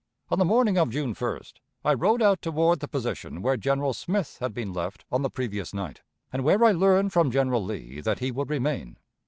On the morning of June 1st I rode out toward the position where General Smith had been left on the previous night, and where I learned from General Lee that he would remain.